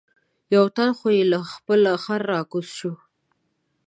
یو تن خو یې له خپل خره را کوز شو.